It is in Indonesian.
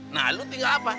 nah lu tinggal apa